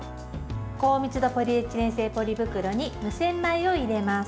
高密度ポリエチレン製ポリ袋に無洗米を入れます。